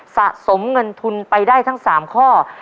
สะสมเงินทุนไปได้ทั้ง๓ข้อ